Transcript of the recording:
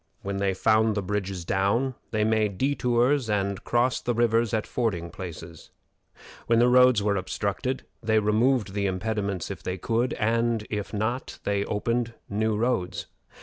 When they found the bridges down, they made detours and crossed the rivers at fording places. When the roads were obstructed, they removed the impediments if they could, and if not, they opened new roads.